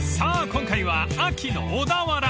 今回は秋の小田原］